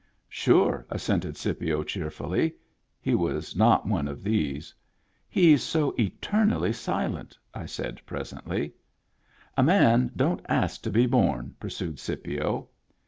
"Sure," assented Scipio cheerfully. He was not one of these. " He's so eternally silent !" I said presently. "A man don't ask to be born," pursued Scipio.